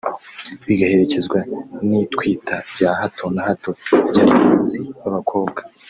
bigaherekezwa n’itwita rya hato na hato ry’abahanzi b’abakobwa